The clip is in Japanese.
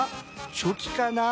チョキかな？